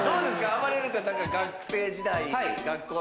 あばれる君は学生時代。